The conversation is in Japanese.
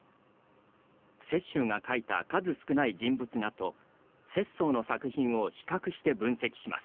雪舟が描いた数少ない人物画と拙宗の作品を比較して分析します。